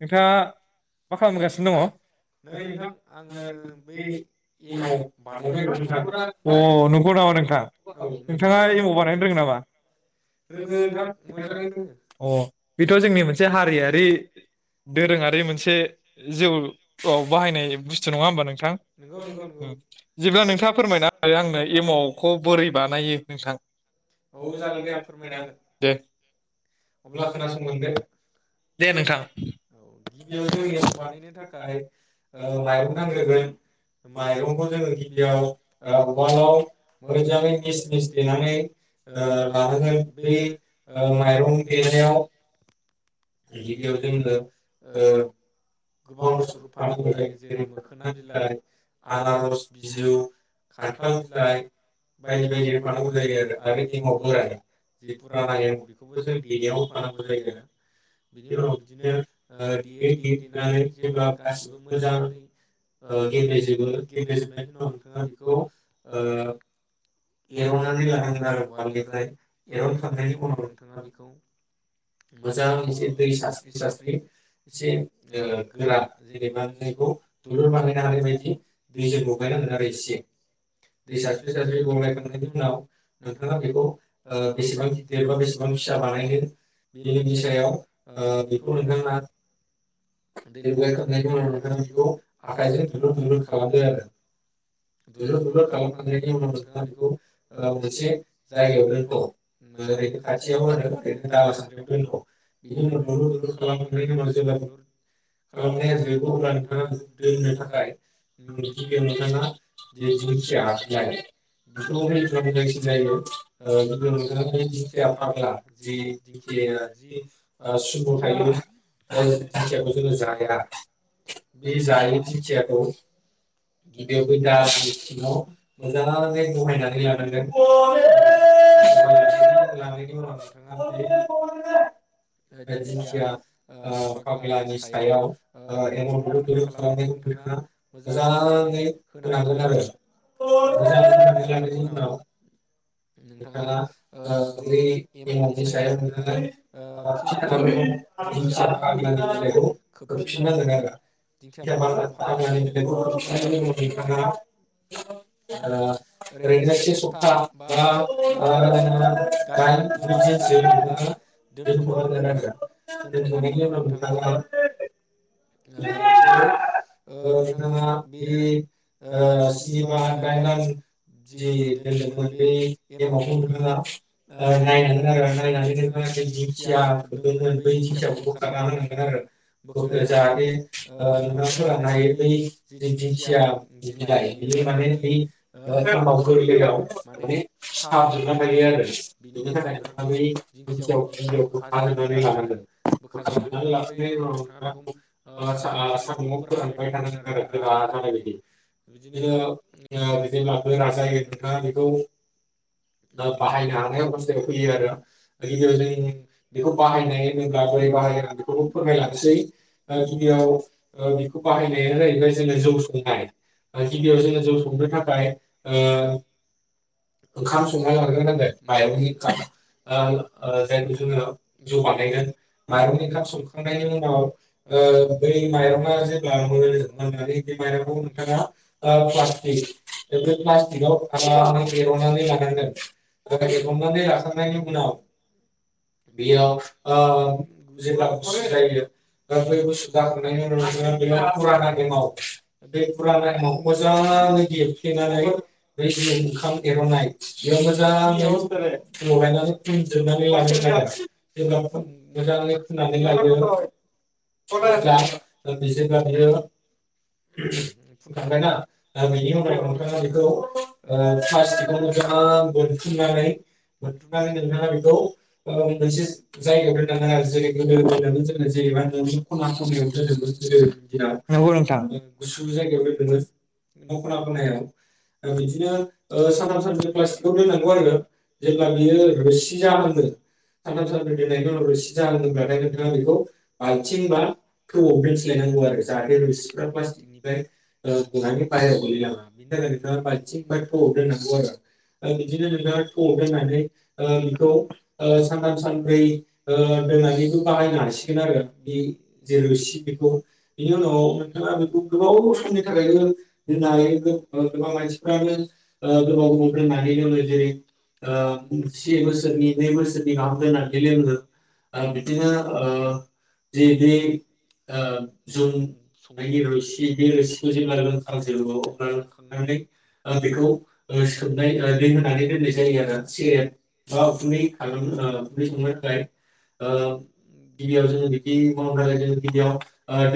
नोंथाङा मा खालामगासिनो दङ [unintelligible] अ नंगौ नामा नोंथां नोंथाङा एमाव बानायनो रोङो नामा [unintelligible] अ बेथ' जोंनि मोनसे हारियारि दोरोङारि मोनसे जौआव बाहायनाय मोनसे बुस्थु नङा होमबा नोंथां बिदिब्ला नोंथाङा फोरमायना हायो आंनो एमावखौ बोरै बानायो नोंथां औ जागोन दे आं फोरमायना होगोन दे अब्ला खोनासंलांदो दे नोंथां [inaudible] औ गिबियाव जोङो एमाव बानायनो ओ थाखाय माइरं नांग्रोगोन माइरंखौ जोङो गिबियाव उवालाव मोजाङै मिस मिस देनानै लानांगोन बै माइरं देनायाव गिबियाव जोङो ओ गोबां बुस्थु होफानांगौ जायो जेरै मोखोना बिलाइ आनारस बिजौ खान्थाल बिलाइ बायदि बायदि होफानांगौ जायो आरो आरो एमाव बोराय जि पुराना एमाव बेखौबो जोङो देनायाव होफानांगौ जायो आरो बिनि उनाव बिदिनो [inaudible] जेब्ला गासिबो मोजाङै गेब्लजोबो गेब्लेजोबनायनि उनाव नोंथाङा बेखौ एरननानै लानांगोन आरो उआलनिफ्राय एरनखांनायनि उनाव नोंथाङा बेखौ मोजां एसे दै सारस्रि सारस्रि एसे गोरा जेनेबा नोङो बेखौ दुलुर बानायनो हानाय बायदि दैजों लगायनांगोन आरो एसे दै सारस्रि सारस्रि गलायखांनायनि उनाव नोंथाङा ओ बेखौ बेसेबां गिदिर बा बेसेबां फिसा बानायनो बे नोंनि सायाव बेखौ नोंथाङा दै लगायखांनायनि उनाव नोंथाङा बेखौ आखाइजों दुलुर - दुलुर खालामदो आरो दुलुर- दलुर खालामखांनायनि उनाव ओ नोंथाङा बेखौ मोनसे जायगायाव दोन्थ' ओरैनो खाथियाव आरो दाला सानद्रियाव दोन्थ' बिनि उनाव दलुर - दलुर खालाम बिनि उनाव जेब्ला खालामनाया जोबो अब्ला नोंथाङा बेखौ दोननो थाखाय गिबियाव नोंथाङा जे दिंखिया बिलाइ बिखौ होयोब्ला मोजांसिन जायो ओ गिबियाव नोंथाङा बै दिंखिया फाग्ला जि दिंखिया जि सुमु थायो। [unintelligible] दिंखियाखौ जोङो जाया बे जायै दिंखियाखौ औ आग्लानि सायाव ओ एमावउ दुलुर दुलुर खालामनायखौ नोंथाङा मोजाङै होनांगोन आरो मोजां होनानै लानायनि उनाव नोंथाङा ओ बै एमाउनि सायाव नोंथाङा फिन आरोबाव [unintelligible] ग्लानि बिलाइखौ खोबसिन नांगोन आरो आग्लानि बिलाइखौ खोबसिनायनि उनाव नोथांङा ओरैनो से सप्ता बा ओ दाइन दोनथनायनि [unintelligible] खारना होनांगोन आरो बे जाहाथे नोंथाङा फोराननो हायो। बै जे दिंखिया बिलाइ बियो माने बै एमाव गोरलैयाव माने सिथाबजोबना थायो आरो बिनि थाखाय नोंथाङा बै दिंखियाखौ गिबियाव बोखाजोबनानै लानांगोन। बोखाजोबनानै लाखांनायनि उनाव नोंथाङा बेखौ सान्दु आव फोरानबाय थानांगोन आरो गोरा जानाय बायदि बिदिनो जेब्ला गोरा जायो नोंथाङा बेखौ बाहायनो हानाय अबस्थायाव फैयो आरो गिबियाव जों बेखौ बाहायनाय होनोब्ला बोरै बाहायो आं बेखौबो फोरमायलांनोसै - गिबियाव बेखौ बाहायनाया जाहैबाय जोङो जौ संनाय गिबियाव जोङो जौ संनो थाखाय ओंखाम संना लाग्रोनांगोन माइरंनि ओंखाम जायखौ जोङो जौ बानायगोन माइरंनि ओंखाम संखांनायनि उनाव बै माइरङा जेब्ला मोनो मोननानै बे माइरंखौ नोंथाङा प्लास्टिक बे प्लास्टिकआव आरामै एरननानै लानांगोन ओ एरननानै लाखांनायनि उनाव बेयाव ओ जेब्ला गुसु जायो बै गुसु जाखांनायनि उनाव जोंहा बे फुराना एमाव बै फुराना एमावखौ मोजाङै देफ्लेनानै ओंखाम एरननाय बेयाव मोजाङै गलायनानै फोनजोबनानै ला नांगोनआरो जेब्ला फुन मोजाङै फुननानै लायो अब्ला जेब्ला बियो फुनखांबायना बिनि उनाव नोंथाङा बेखौ प्लास्टिकआव मोजां बोनथुमनानै बोनथुमनानै नोंथां बेखौ मोनसे जायगायाव दोननानै [inaudible] जेरै गोदो दोनोमोन जोङो जेरेबा न'नि ख'ना ख'नायाव दोनोमोन, गोदोनि दिनाव गुसु जायगायाव दोनोमोन न' खना ख'नायाव बिदिनो ओ सानथाम, सानब्रै प्लास्टिकआव दोननांगौ आरो जेब्ला बियो रोसि जाहाङो सानथाम, सानब्रै दोननायनि उनाव रोसि जाङोब्लाथाय नोंथाङा बेखौ बाल्थिं बा थौआव दोनस्लायनांगौ आरो जाहाथे रोसिफ्रा प्लास्टिकनिफ्राय गनानै बाहेराव गोललाङा बिनि थाखाय नोंथाङा बाल्थिं बा थौआव दोननांगौ आरो बिदिनो नोंथाङा थौआव दोननानै बिखौ सानथाम, सानब्रै दोननानैबो बाहायनो हासिगोन आरो बे जे रोसि बेखौ बिनि उनाव नोंथाङा बेखौ गोबाव समनि थाखायबो बिदिनो जे बे जौ संनायनि रोसि बे रोसिखौ जेब्ला लोंखांजोबो अब्ला लोंखांनानै बेखौ सोमनाय दै होनानै दोननाय जायो आरो सेरेब बा उखुन्दै खालामनो उखुन्दै संनो थाखाय। गिबियाव जोङो बिदि मावनो थाखाय जोङो गिबियाव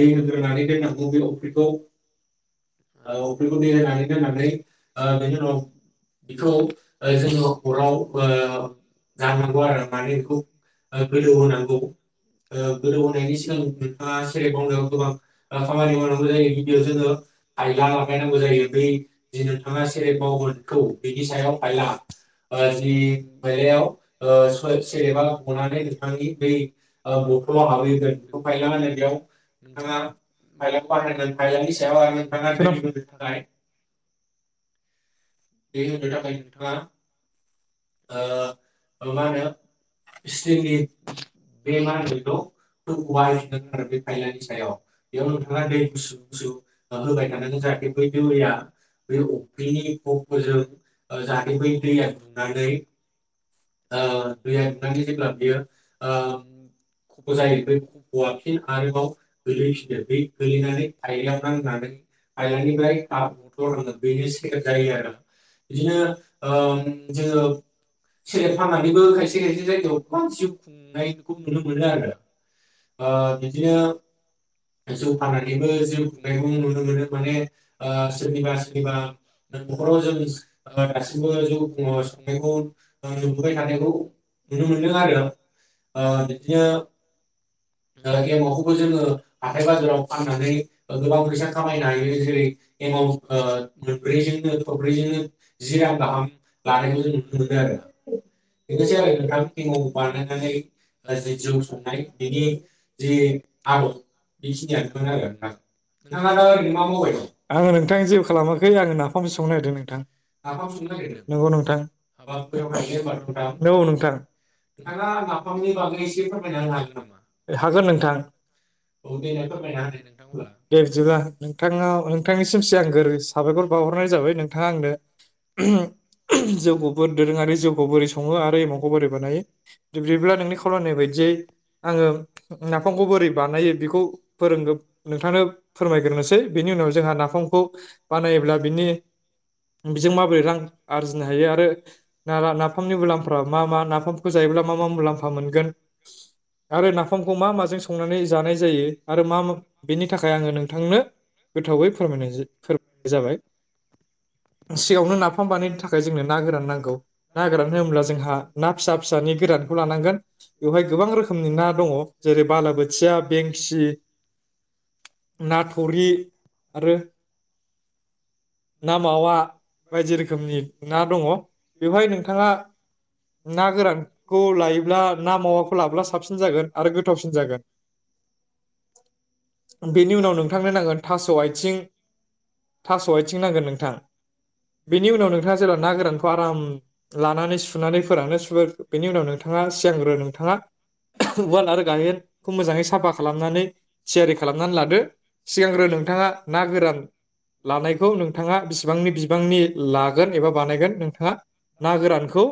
दै होग्रोनानै दोननांगौ बे अफ्रिखौ अफ्रिखौ दै होनानै दोननानै बिनि उनाव बिखौ जोङो अराव जाननांगौ आरो माने बेखौ गोदौ होनांगौ गोदौ होनोनायनि सिगां नोंथाङा सेरेब मावनायाव गोबां खामानि मावनांगौ जायो गिबियाव जोङो फायला लागायनांगौ जायो बै जि नोंथाङा सेरेब मावगोन थौ बिनि सायाव फायला जि माइलायाव सेरेबा गनानै नोंथांनि ब बथलाव हाबहैगोन बेखौ फायला होनो बेयाव नोंथाङा फायलाखौ बाहायनांगोन फायलानि सायाव आरो नोंथाङा दै होनो थाखाय दै होनो थाखाय नोंथाङा मा होनो [inaudible] स्टिलनि बे मा होनो बेखौ थौखौ बाहायफिननांगोन आरो बे फायलानि सायाव बेयाव नोंथाङा दै गुसु गुसु होबाय थानांगोन जाहाथे बै दैया बै अफ्रिनि खफ'जों जाहाथे बै दैया दुंनानै दैया द थां नि जेब्ला बेयो ओ खफ' जायो बे खफ'आ फिन आरोबाव गोलैफिनो ब गोलैनानै फायलायाव नांनानै फायलानिफ्राय बथलाव थाङो बेनो सेरेब जायो आरो बिदिनो जोङो सेरेब फाननानैबो खायसे खायसे जायगायाव गोबां जिउ खुंनायखौ नुनो मोनो। आरो ओ बिदिनो जौ फाननानैबो जिउ खुंनायखौ नुनो मोनो माने सोरनिबा सोरनिबा न'खराव जों दासिमबो जौ संनायखौ नुबोबाय थानायखौ नुनो मोनो। मोनो आरो ओ बिदिनो बिदिनो एमावखौबो जोङो हाथाय बाजाराव फाननानै गोबां फैसा खामायनो हायो जेरै एमाव मोनब्रैजोंनो थरब्रैजोंनो जि रां गाहाम लानायखौ जों नुनो मोनो आरो बेनोसै आरो नोंथां। एमाव बानायनानै जि जौ संनाय बेनि ज आदब' बेखिनिआनोमोन आरो नोंथाङा ओरैनो दा मावबाइ दं? आङो नोंथां जेबो खालामाखै आङो नाफामखौ सावनो नागिरदों नोंथां नाफम संनो नागिरदों नंगौ नोंथांंगौ नोंथां। नोंथां नाफामनि बागै नों एसे फोरमायना होनो नामा? हागोन नोंथां दे बिदिबब्ला नोंथां नोंथांनिसिम सि आं गोर साबायखर बावहरनाय जाबाय नोंथाङा आंनो जौखौबो दोरोङारि जौखौ बोरै सङो आरो एमौखौ बोरै बानायो। बिब्दिब्ला नोंनि खावलायनाय बायदियै आङो नाफामखौ बोरै बानायो बेखौ फोरों नोंथांनो फोरमायग्रोनोसै बेनि उनाव जोंहा नाफामखौ बानायोब्ला बिनि बिजों माबोरै रां आरजिनो हायो आरो ना नाफामनि मुलामफ्रा मा मा नाफाम जायोब्ला मा मा मुलाम्फा मानगोन आरो नाफोमखौ मा माजों संनानै जानाय जायो आरो मा मा बेनि थाखाय नोंथांनो गोथौवै फोरमायनाइ जाबाय सिगाङनो नाफाम बानायनो थाखाय जोंनो ना गोरान नांगौ नांग ना गोरानोबब्ला जों पिसा फिसानि गोरानखौ लानांगोन। बेवहाय गोबां रोखोमनि ना दङ जेरै बालाबोथिया बेंसि ना थुरि आरो ना मावा बायदि रोखोमनि ना दङ बेवहाय नोंथाङा ना गोरानखौ लायोब्ला ना मावाखौ लाब्ला साबसिन जागोन आरो गोथावसिन जागोन। बेनि उनाव नोंथांनो नांगोन थास' आयथिं थास' आयथिं नांगोन नोंथां। बेनि उनाव नोंथाङा जेब्ला ना गोरानखौ आराम लानानै सुनानै फोरानो सु बेनि उनाव नोंथाङा आरो नोंथाङा उवाल आरो गायेनखौ मोजाङै साफा खालामनानै थियारि खालाम दो सिगांग्रो नोंथाङा ना गोरान लानायखौ नोंथाङा बेसिबांनि बिबांनि लागोन एबा बानायगोन नोंथाङा ना गोरानखौ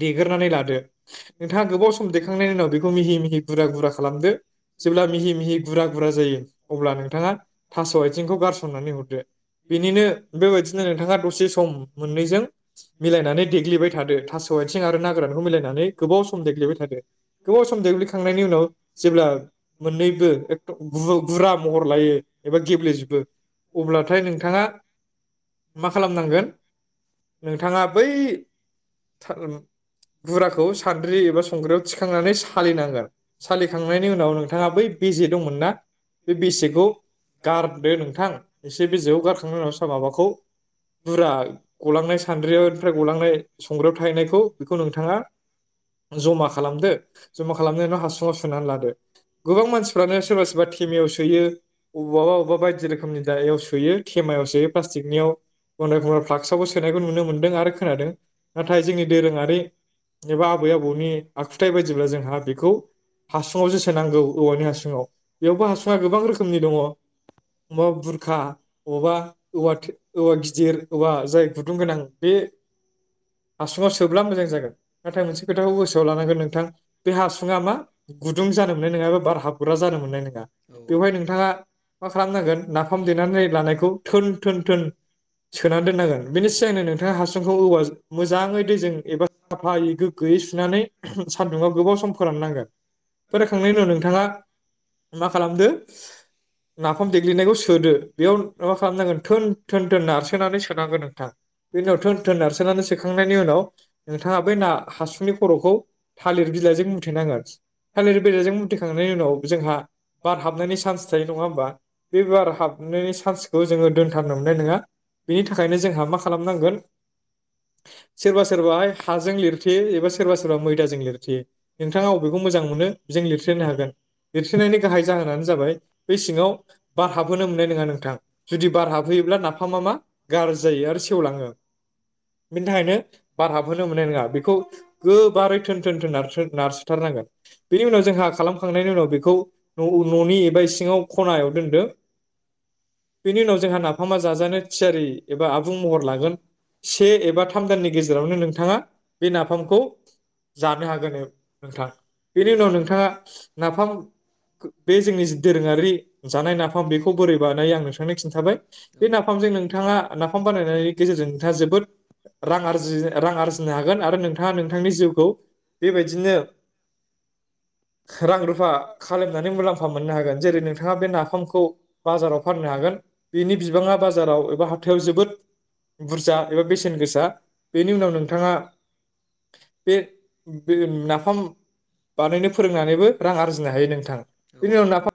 देग्रोनानै लादो। नोंथाङा गोबाव सम देखांनायनि उनाव बेखौ मिहि मिहि गुरा गुरा खालामदो जेब्ला मिहि मिहि गुरा गुरा जायो अब्ला नोंथाङा थास' आयथिंखौ गारसननानै हरदो बेनिनो बेबायदिनो नोंथाङा दसे सम मोननैजों मिलायनानै देग्लिबाय थादो थास' आयथिं आरो ना गोरानखौ मिलायनानै गोबाव सम देग्लिबाय थादो गोबाव सम देग्लिखांनायनि उनाव जेब्ला मोननैबो गु-गुरा महर लायो एबा गेब्लेजोबो अब्लाथाय नोंथाङा मा खालामनांगोन नोंथाङा बै [unintelligible] गुराखौ सान्द्रि एबा संग्रायाव थिखांनानै सालिनांगोन सालिखांनायनि उनाव नोंथाङा बै बेजे दंमोन ना बे बेजेखौ गारदो नोंथां एसे बेेजेखौ गारखांनायनि उनाव सा माबाखौ गुरा सानद्रियाव ओमफ्राय गलांनाय संग्रायाव थाहैनायखौ बेखौ नोंथाङा जमा खालामदो जमा खालामनायनि उनाव हासुङाव सोनानै लादो। गोबां मानसिफ्रानो सोरबा सोरबा थेमायाव सोयो अबेबा अबेबा बायदि रोखोमनि दोयाव सोयो थेमायाव सोयो प्लास्टिकनियाव [unintelligible] खोनायखौ नुनो मोनदों आरो खोनादों नाथाय जोंनि दोरोङारि एबा आबै आबौनि आखुथाइ बायदिब्ला जोंहा बेखौ हासुङावसो सोनांगौ औवानि हासुङाव बेयावबो हासुङा गोबां रोखोमनि दङ अबा बुरखा अबेबा औवा थे औवा गिदिर औवा जाय गुदुं गोनां बे हासुंआव सोब्ला मोजां जागोन नाथाय मोनसे खोथाखौ गोसोआव लानांगोन नोंथां बे हासुङा मा गुदुं जानो मोननाय नङा एबा बार हाबग्रा जानो मोननाय नङा बेवहाय नोंथाङा मा खालामनांगोन नाफाम देनानै लानायखौ थोन थोन थोन सोनानै दोननांगोन। बेनि सिगांनो नोंथाङा हासुंखौ औवा मोजाङै दैजों एबा साफायै गैयै सुनानै सान्दुंआव गोबाव सम फोराननांगोन फोरानखांनायनि उनाव नोंथाङा मा खालामदो नाफाम देग्लिनायखौ सोदो बेयाव मा खालामनांगोन थोन थोन थोन नारसोनानै सोनांगोन नोंथां। बेनि उनाव थोन थोन नारसोननानै सोखांनायनि उनाव नोंथाङा बै ना हासुनि खर'खौ थालिर बिलाइजों मुथेनांगोन थालिर बिलाइजों मुथेखांनायनि उनाव जोंहा बार हाबनायनि चान्स थायो नङा होमबा बे बार हाबनायनि चान्सखौ जोङो दोनथारनो मोननाय नङा बेनि थाखायनो जोंहा मा खालामनांगोन। सोरबा सोरबाहाय हाजों लिर थेयो एबा सोरबा सोरबा मैदाजों लिरथेयो नोंथाङा अबेखौ मोजां मोनो बेजों लिरथेनो हागोन लिरथेनायनि गाहाय जाहोनानो जाबाय बे सिङाव बार हाबहोनो मोननाय नङा नोंथां जुदि बार हाबहोयोब्ला नाफामा मा गाज्रि जायो आरो सेवलाङो बिनि थाखायनो बार हाबहोनो मोननाय नङा बे खौ गोबारै थोन थोन थोन नारसोथारनांगोन बेनि उनाव जोंहा खालामखांनायनि उनाव बेखौ न'नि एबा इसिङाव खनायाव दोनदो बेनि उनाव जोंहा नाफामा जाजानो थियारि एबा आबुं महर लागोन। एबा थाम दाननि गेजेरावनो नोंथाङा बे नाफामखौ जानो हागोन नोंथां बेनि उनाव नोंथाङा नाफाम बे जोंनि दोरोङारि जानाय नाफाम बेखौ बोरै बानाय आं नोंथांनो खिन्थाबाय बे नाफामजों नोंथाङा नाफाम बानायनायनि गेजेरजों नोंथाङा जोबोद रां आरजि रां आरजिनो हागोन। आरो नोंथाङा नोंथांनि जिउखौ बेबायदिनो रां रुफा खालामनानै मुलाम्फा मोननो हागोन जेरै नोंथाङा बे नाफामखौ बाजाराव फाननो हागोन बेनि बिबाङा बाजाराव एबा हाथायाव जोबोद बुरजा एबा बेसेन गोसा बेनि उनाव नोंथाङा बे नाफाम बानायनो फो रोंनानै रां आरजिनो हायो नोंथां। बेनि उनाव नाफाम